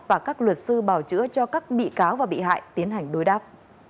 và các luật sư bảo chữa cho các bị cáo và bị hại tiến hành đối đáp